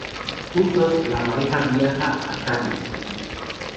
Juntos, la pareja viaja a Tanis, Egipto.